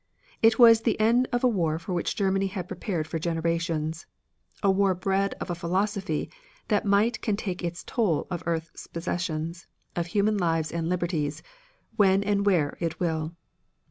It was the end of a war for which Germany had prepared for generations, a war bred of a philosophy that Might can take its toll of earth's possessions, of human lives and liberties, when and where it will.